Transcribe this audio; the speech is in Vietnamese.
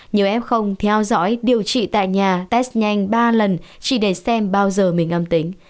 nhiều em không theo dõi điều trị tại nhà test nhanh ba lần chỉ để xem bao giờ mình âm tính